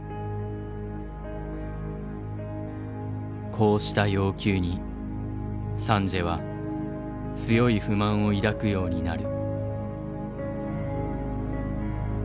こうした要求にサンジエは強い不満を抱くようになる。